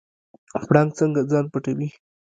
پړانګ څنګه ځان پټوي؟